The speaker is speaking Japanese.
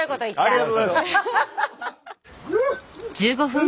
ありがとうございます。